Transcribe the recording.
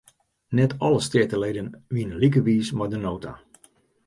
Net alle steateleden wienen like wiis mei de nota.